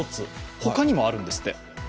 ほかにもあるんですって。